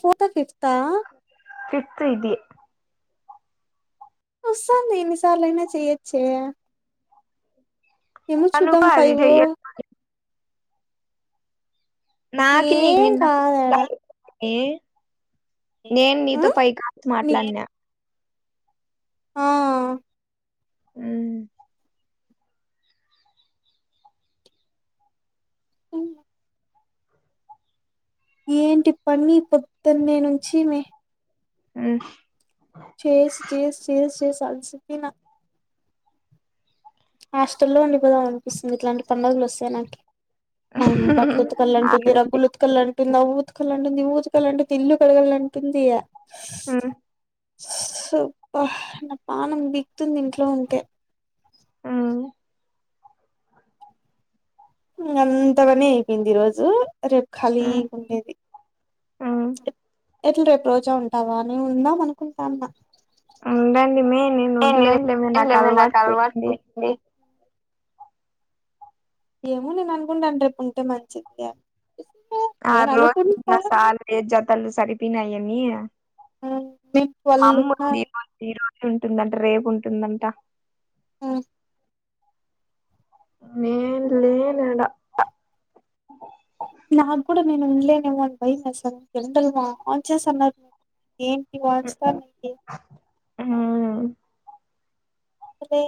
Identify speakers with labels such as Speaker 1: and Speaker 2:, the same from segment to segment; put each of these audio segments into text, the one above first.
Speaker 1: ఫోటోలు తీస్తావా
Speaker 2: తిది
Speaker 1: వస్తుంది ఎన్ని సార్లు అయినా చెయ్యచ్చే ఏమో
Speaker 2: కనుక
Speaker 1: చూద్దం
Speaker 2: అది
Speaker 1: ఫైవో
Speaker 2: చెయ్య నాకి నీకు
Speaker 1: ఏం
Speaker 2: నిన్న
Speaker 1: కాద్ యాడ
Speaker 2: ఏ నేను నీతో ఫైవ్ కాల్స్
Speaker 1: నీ
Speaker 2: మాట్లాడిన్య
Speaker 1: ఆ
Speaker 2: హ్మ్
Speaker 1: హ్మ్ ఏంటి పని పొద్దున్నే నుంచి మే
Speaker 2: మ్మ్
Speaker 1: చేస్ చేస్ చేస్ చేస్ తల్సి పోయిన హాస్టల్లో ఉండిపోదమ్ అనిపిస్తుంది ఇట్లాంటి పండుగలు వస్తే నాకి మాయమ్మ బట్లు ఉతకల్ అంటుంది రగ్గులు ఉతకాల్ అంటుంది అవ్ ఉతకల్ అంటుంది ఉంటుంది ఉచ్కల్ [unintelligible] ఇల్లు కడగల్లంటుంది
Speaker 2: హ్మ్
Speaker 1: సో భ నా పాణం బిక్తుంది ఇంట్లో ఉంటే.
Speaker 2: హ్మ్
Speaker 1: అంతా పని అయిపోయింది ఈ రోజు రెపు. ఖాళీగ ఉండేది. ఎట్లా రేపు రోజు ఉంటావా నేను ఉందామనుకుంటానా
Speaker 2: ఉందండి. మే నేను ఉండలేనులే మే
Speaker 1: నేను
Speaker 2: నాకు
Speaker 1: లేవే అలవాటు
Speaker 2: అలవాటుపోయింది.
Speaker 1: పోయింది ఏమో నేను అనుకుంటాను, రేపు ఉంటే మంచిది అని.
Speaker 2: ఆ
Speaker 1: నేను
Speaker 2: రోజు
Speaker 1: అనుకుంటా
Speaker 2: మా సార్ కీ జతలు సరిపీనాయి అనీ
Speaker 1: నేను ట్వెల్వ్ ఉన్నా
Speaker 2: అమ్ముతుంది [unintelligible] ఉంటుందంట రేపు ఉంటుందంట
Speaker 1: హ్మ
Speaker 2: నేను లేేను అడా
Speaker 1: నాకు కూడ నేను ఉండలేనేమో అని భయమేస్థాంది ఎండలు బాగా ఆన్ చేస్త [unintelligible] ఏంటి వాంచతా ఏంటి
Speaker 2: మ్మ్
Speaker 1: అదే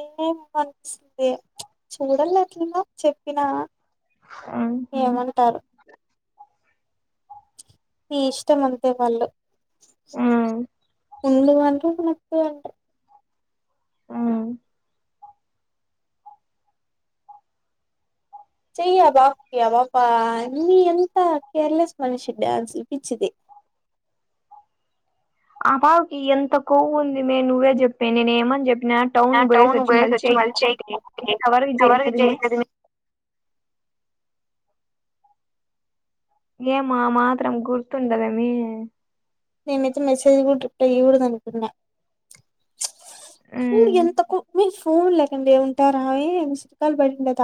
Speaker 1: మంచిది చూడల్ల అట్లేనా చెప్పినా
Speaker 2: ఉమ్
Speaker 1: ఏమంటారో మీ ఇష్టం అంతె వాళ్ళు
Speaker 2: ఉమ్
Speaker 1: ముందూ అంట్రూ వెనక్కు అంటరు
Speaker 2: ఉమ్
Speaker 1: చెయ్యా పాపకీ ఆ పాప అమ్మి ఎంత కేర్లెస్ మనిషి డాన్సులు పిచ్చిది
Speaker 2: ఆ పాపకీ ఎంత కొవ్వు ఉంది మే నువ్వె చెప్పే నేన్ ఏమన్ చెప్ [unintelligible] టౌన్
Speaker 1: ఆ
Speaker 2: బొయేసొచ్చి
Speaker 1: పోయేసి
Speaker 2: మరి
Speaker 1: వచ్చి
Speaker 2: చేయ్
Speaker 1: మళ్ళీ చెయ్
Speaker 2: [unintelligible] ఇంతవరకు
Speaker 1: ఎవరికి
Speaker 2: చేయలేద్ మే
Speaker 1: చేయలేదు
Speaker 2: ఏమ్మా ఆ మాత్రం గుర్తుండదెమీ
Speaker 1: నేనైతే మెస్సేజ్ కూడ రిప్లై ఇయ్యగూడదు అనుకున్న చూడు
Speaker 2: ఉమ్
Speaker 1: ఎంత్త కు ఫోన్ లేకండి ఉంటారా మిస్డ్ కాల్ పడింద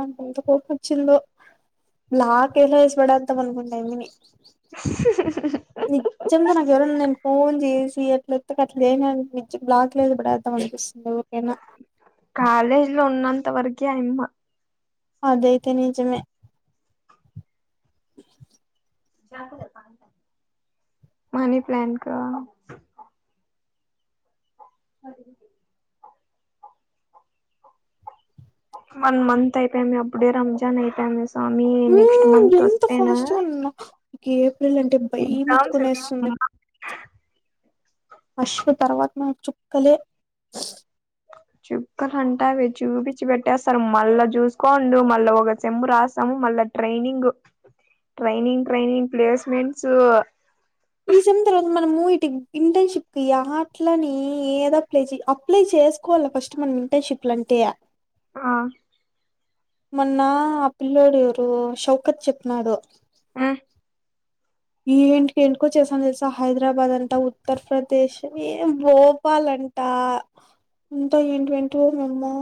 Speaker 1: నాకు ఎంత కోపం వచ్చిందో లాక్ఎలేసి పడేతాం అనుకుంటి ఆ అమ్మిని
Speaker 2: [inaudible]
Speaker 1: నిజ్జంగా నాకు ఎవరైన నేను ఫోన్ చేసి ఎట్ల ఎత్తక అట్లే చేసినారుకో నిజం బ్లాక్ లేదు పడద్దాం అనిపిస్తుంది ఎవరికైనా
Speaker 2: కాలేజ్ లో ఉన్నంత వరకీ ఆ యమ్మ
Speaker 1: అది ఐతే నిజమే
Speaker 2: మనీ ప్లాంక అది వన్ మంత్ అయిపోయింది అప్పుడే రంజాన్ అయిపోయిందాస్
Speaker 1: హ్మ్మ్ ఎంత ఫాస్ట్గా ఉన్నా ఏప్రిల్ అంటే భయం
Speaker 2: ఎగ్జామ్స్
Speaker 1: ఎత్తుకొనేస్తుంది ఆశు తర్వాత నాకు చుక్కలే
Speaker 2: చుక్కలు అంట అవి చూపించి పెట్టేస్తారు మళ్ళా చూసుకోండు మళ్ళా ఒక సెమూ రాస్తాము మళ్ళా ట్రైనింగ్ ట్రైనింగ్ ట్రైనింగ్ ప్లేస్మెంట్స్
Speaker 1: ఈ సేమ్ తరువ్ మనము ఇటు ఇంటర్న్షిప్ కి ఎట్లనే ఏదో అప్లై అప్లై చేసుకోవాలి ఫస్ట్ మనం ఇంటర్న్షిప్ అంటే
Speaker 2: ఆ
Speaker 1: మొన్న ఆ పిల్లోడు ఎవరు శౌకత్ చెప్పినాడు
Speaker 2: మ్మ్
Speaker 1: ఏంటికేంటికో చేసాను తెల్సా హైదరాబాద్ అంట ఉత్తర్ప్రదేశ్ ఏం భోపాల్ అంట ఇంత ఏంటివెంటివి మోమ్మో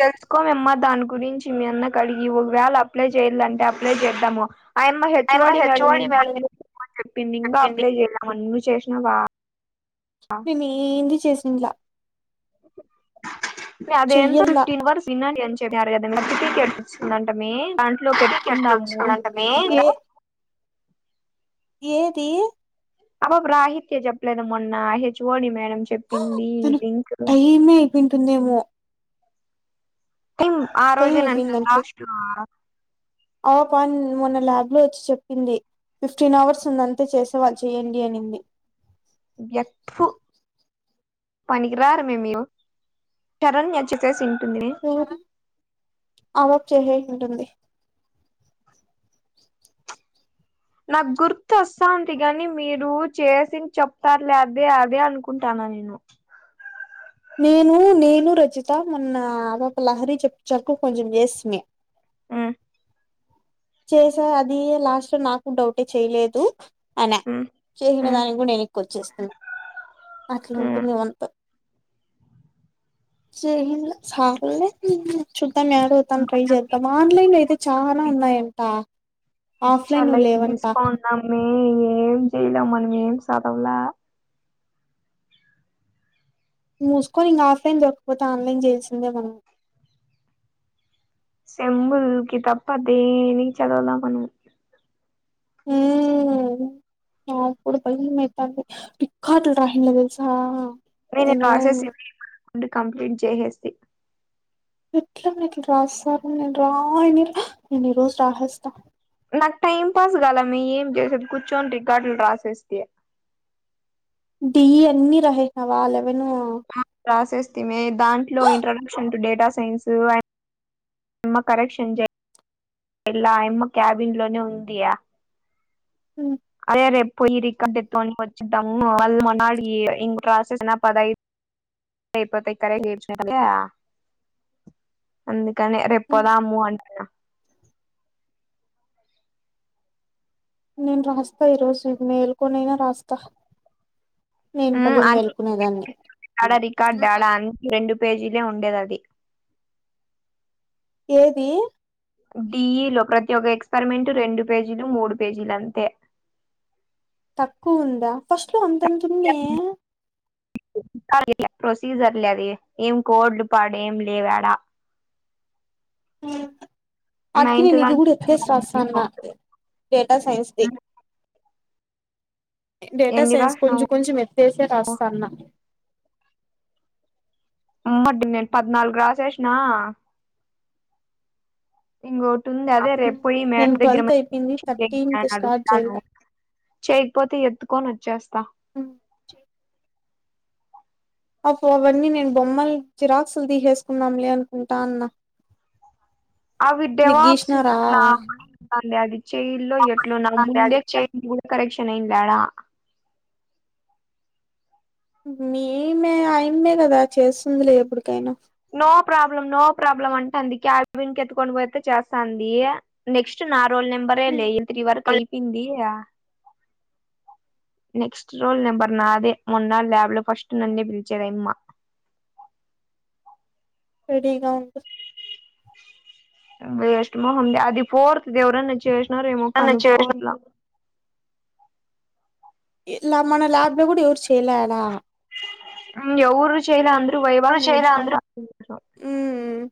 Speaker 2: తెలుసుకో మమ్మ దాని గురించి మీ అన్నకడిగి ఒగవేళ అప్లై చెయ్లంటే అప్లై చేద్దాము అయమ్మ హెచ్ వోడి మేడం ఇంక అప్లై చేయమని చెప్పింది ఇంగా అప్లై చేయలే మన్ము చేసినవా
Speaker 1: నేను ఏంది చేసి ఇన్లా
Speaker 2: అది ఎంత
Speaker 1: చెయ్యల్లా
Speaker 2: ఫిఫ్టీన్ వర్స్ ఇన్నర్ ఇంచ్ చెప్పారు కదా మీకు టీకెట్ ఎట్లోచిందంట మే దాంట్లో
Speaker 1: ఎట్లా
Speaker 2: పెట్టుకుందాము
Speaker 1: వచ్చిందంటమే
Speaker 2: ఇంట్లో
Speaker 1: ఏ ఏది
Speaker 2: అపాప రాహితి చెప్పలేద మొన్నా ఎచ్ఒడి మే మేడం చెప్పింది లింకులు
Speaker 1: తున్నేమో
Speaker 2: టిం ఆ రోజేనంటునా
Speaker 1: అయిపోయిందనికి
Speaker 2: లాస్ట్
Speaker 1: ఆ పాప మొన్న ల్యాబ్లో వచ్చి చెప్పింది, ఫిఫ్టీన్ అవర్స్ ఉందంతే చేసేవాళ్ళు చేయండి అనింది.
Speaker 2: ఎక్ తు పనికిరారు మే మీరు శరణ్య వచ్చి చేసిన్ ఏంది
Speaker 1: ఆ పాప చేసేసుంటుంది
Speaker 2: నాకు గుర్తు వస్తాంది కాని మీరు చేసింది చెప్తారు లే అదే అదే అనుకుంటాన్నా నేను
Speaker 1: నేను నేను రచిత మొన్న ఆ పాప లహరి చెప్ చరుకు కొంచెం చేస్తివమి
Speaker 2: ఉ
Speaker 1: చేసారు అది లాస్ట్ లో నాకు డౌటే చేయలేదు అనా
Speaker 2: మ్మ్
Speaker 1: చేసినదాన్ని కూడా ఎని వచ్చేస్తు
Speaker 2: మ్మ్
Speaker 1: అట్లుంటుంది వానితో [unintelligible] తన్ని అడుగుతాను ట్రై
Speaker 2: మ్మ్
Speaker 1: చేద్దామా ఆన్లన్ లో అయితే చానా ఉన్నాయి ఆ
Speaker 2: పిచ్చ లైట్ తీసుకున్నా మే ఏం చేయలేం మనం ఏం సదవలా
Speaker 1: మూసుకొని ఇంక ఆఫ్లన్ దొరకపోతే ఆన్లన్ చేయల్సిందే మనం
Speaker 2: సెమ్ముల్కి తప్పదేమి చదవలా మనము
Speaker 1: ఊ అప్పుడు భయమేతాంది కాదు దహినా తెల్స
Speaker 2: రే ఇది పస్సెస్ [inaudible] అంటే కంప్లీట్ చేసేస్తి
Speaker 1: ఎట్ల మే ఇట్ల రాస్తారు నేను రాయనిరు నేను ఈరోజు రాసేస్తా
Speaker 2: నాకు టైం పాస్ కాలే మే ఏం చేసేది కూర్చొని రికార్డులు రాసేస్తి
Speaker 1: ఇవి అన్ని రాసేసినవ వాళ్ళక్ విను
Speaker 2: మే దాంట్లో ఇంట్రొడక్షన్ టు డేటా సైన్స్ అమ్మ కరెక్షన్లా అమ్మ క్యాబిన్ లోనే ఉందియా
Speaker 1: ఉ
Speaker 2: అదే రే పోయి రికార్ ఎ అని వచ్చిద్దాముళ్ళ మ ఇ క్సె పదదుపో కరే అందు కాని రేపుపోదాము అంటారు
Speaker 1: నేను రాస్తా ఈరోజు మేల్కొనైనా రాస్తా నేను
Speaker 2: ఉ
Speaker 1: భలే మేల్కునేదాన్ని
Speaker 2: అడా రికార్డ్ ఆడ అన్ని రెండు పేజీలు ఎ ఉండేది అది
Speaker 1: ఏది
Speaker 2: డిఈలో ప్రతి ఒక్క ఎక్స్పెరిమెంటు రెండు పేజీలు మూడు పేజీలు అంతే
Speaker 1: తక్కువ ఉందా ఫస్ట్ అంతంత ఉన్ని
Speaker 2: ప్రొసీజర్ లే ఏం కోడు పాడు ఏం లేవాడా
Speaker 1: ఉ వాటికి
Speaker 2: నైన్త్
Speaker 1: నేను ఇది కూడా
Speaker 2: దానికి
Speaker 1: ఏతేసి రాస్తున్న డేటా సైన్స్ ది డేటా
Speaker 2: ఎన్ని
Speaker 1: సైన్స్
Speaker 2: రాసినావు
Speaker 1: కొంచెం కొంచెం ఎత్తేసి రాస్తా అన్న
Speaker 2: అమ్మటి నేను పద్నాలుగు రాసేసిన ఇంగో ఉంది అదే రేపు పొయి మేడ
Speaker 1: నేను
Speaker 2: దగ్గర మ
Speaker 1: ట్వెల్త్ అయిపోయింది థర్టీన్త్ స్టార్ట్ చేయాల
Speaker 2: అడుగును చేయకపోతే ఎత్తు కొన వచ్చేస్తా
Speaker 1: ఉ అవన్నీ నేను బొమ్మలు జెరోక్సులు తీసేసుకున్నాంలే అనుకుంటా అన్నా
Speaker 2: అవి డెవాప్స్ ఎట్లా మ ఆది చెల్లో ఎట్లు నా
Speaker 1: అండి అది
Speaker 2: ముందే
Speaker 1: ఇచ్చేయ్
Speaker 2: కూడా కరెక్షన్ క్షన్ అయిందా
Speaker 1: మేమే ఆయేమ్మీ కదా చేస్తుందిలే ఎప్పడికైనా
Speaker 2: నో ప్రాబ్లం నో ప్రాబ్లం అంటే అంది క్యాబేన్ ఎత్తుక్కొని పోతే చేస్తాంది నెక్స్ట్ నా రోల్ నెబర్ అ లే ఏ త్రి వరకి అయిపోయింది యా నెక్స్ట్ రోల్ నెంబర్ నాదే మొన్న ల్యాబ్ లో ఫస్ట్ నన్నే పిలిచద అమ్మా
Speaker 1: రెడీగా ఉండు
Speaker 2: వేస్ట్ మొహం ది అది ఫోర్త్ ఎవరైనా చేసి రేమో
Speaker 1: నన్ను చేసిన
Speaker 2: కనుక్కోండిరా
Speaker 1: ఇలా మన ల్యాబ్ నలో కూడా ఎవరు చేయలేదు ఆడా
Speaker 2: ఎవరు చేయరు అంద్రూ వైవా కి
Speaker 1: ఎవరు చేయలే అందరూ
Speaker 2: నేర్చుకుంటా అందులో
Speaker 1: హ్మ్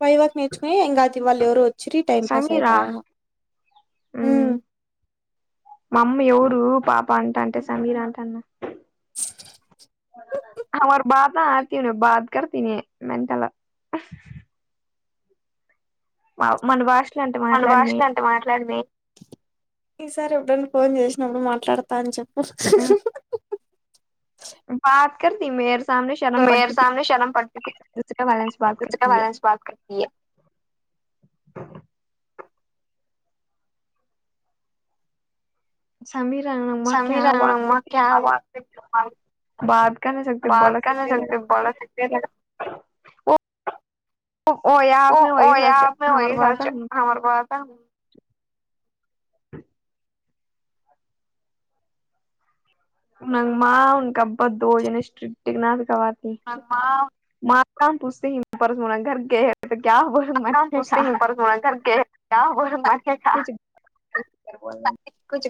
Speaker 1: పైవరకు నేర్చుకుని ఇగ వాళ్ళు ఎవరు వచ్చిరీ టైం పాస్
Speaker 2: సమీరా
Speaker 1: అయిపోయా ఉ
Speaker 2: మమ్మీ ఎవడు పాప అంటంటే సమీరా అంటన్న హమారా బాత్నా అతీను బాత్ కర్తిని మెంటలు వావ్ మనభాష్
Speaker 1: మన భాష్లో అంట మాట్లాడు మే ఈసారి ఎప్పుడన ఫోన్ చేసినప్పుడు మాట్లాడతా అని చేప్
Speaker 2: బాత్కర్తి మే
Speaker 1: మేయార్ సామ్నే షణ్ణం పట్టిది
Speaker 2: దూసరే వాలే సే బాత్ కర్తీ హై
Speaker 1: [unintelligible] బాత్కార్తియే
Speaker 2: సమీరా అమ్మ క్యా బాత్ కర్తి, బాత్ కర్న నా సక్తే, బోల్ సక్తే ఓ ఓ యా మై ఓయి సెర్చ్ హమారా బాత
Speaker 1: [unintelligible]
Speaker 2: అ [unintelligible] పదు జనిస్ట్రిక్ ఇది నాద్ కాద
Speaker 1: అమ్మా
Speaker 2: కౌను పూస్తే [unintelligible] గర్కే
Speaker 1: అక్కా పూస్తే [unintelligible] కూచ్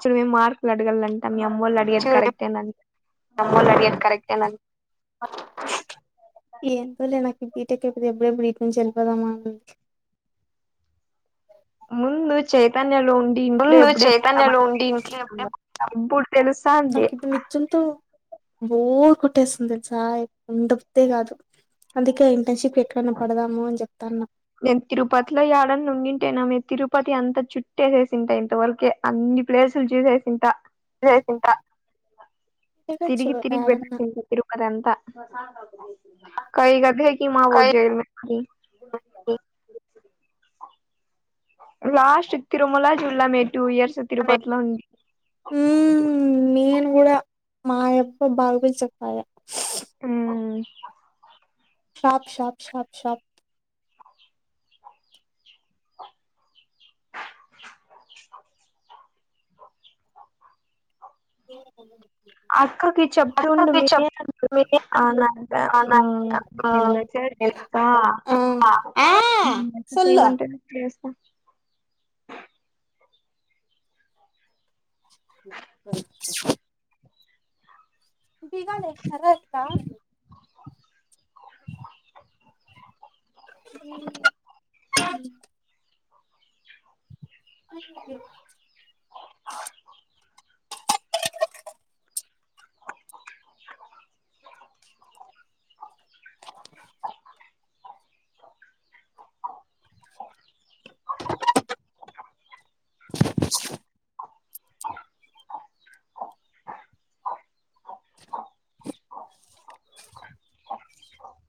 Speaker 2: చూడ్మే మార్క్లు అడగాలంట మీ అమ్మోళ్ళు అడిగేది
Speaker 1: చూడ్మే మీరు
Speaker 2: కరెక్టేనని
Speaker 1: తమ్మోలు అడిగేది కరెక్ట్ యేన ఎందులే మే బీటెక్ అయిపోతే ఇబ్బుడేబ్బుడు ఈట్ నుంచి వెళ్ళిపోదమా అని ఉంది
Speaker 2: ముందు చైతన్
Speaker 1: ముందు మనకు చైతన్యలు ఉండి
Speaker 2: ఇప్పుడు తెలుస్తాంది
Speaker 1: [unintelligible] బోర్ కొట్టేస్తుందిచై ఉండపోతే కాదు అందుకే ఇంటర్న్షిప్ ఎక్కడైనా పడదాము అని చెప్తానా
Speaker 2: మేం తిరుపతిలో యాడనా ఉండి ఉంటేనా మే తిరుపతి అంతా చుట్టేసేసింట ఇంతవరకే అన్ని ప్లేసులు చూసేసింట
Speaker 1: చూసేసుంట
Speaker 2: తిరిగి తిరిగి వెళ్ళ తిరుమలంత కై గదెకి మా వోజ్జేల్ మే లాస్ట్ తిరుమల జుల్లా మే టూ ఇయర్స్ తిరుపతిలో ఉంది.
Speaker 1: ఉమ్ నేను కూడా మా యబ్బ బాధపడి చెప్పాలి
Speaker 2: హ్మ్
Speaker 1: షాప్ షాప్ షాప్ షాప్ [unintelligible] [unintelligible]
Speaker 2: అక్కకి చెప్తుండు
Speaker 1: అక్కకి
Speaker 2: మే
Speaker 1: చెప్
Speaker 2: అనంటే హ్మ్
Speaker 1: ఆ ఆ సొల్లు
Speaker 2: అహ్
Speaker 1: బిగానే సరే [unintelligible] [inaudible] [inaudible]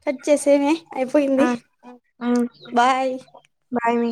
Speaker 1: కచ్చే సేయి ఐపోయింది
Speaker 2: మ్మ్ మ్మ్
Speaker 1: బై
Speaker 2: బాయ్ మీ